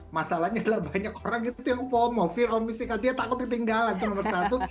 masalahnya adalah banyak orang itu yang fomo fear of missical dia takut ketinggalan nomor satu